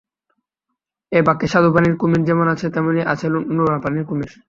এই পার্কে স্বাদুপানির কুমির যেমন আছে, তেমনি আছে লোনা পানির কুমির।